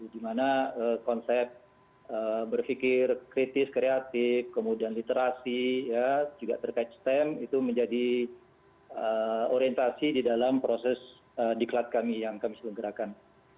dimana konsep berpikir kritis kreatif kemudian literasi juga terkait stem itu menjadi orientasi di dalam proses diklat kami yang kami selenggarakan